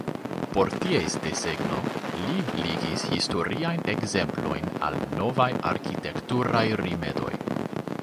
Por ties desegno li ligis historiajn ekzemplojn al novaj arkitekturaj rimedoj.